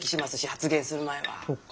発言する前。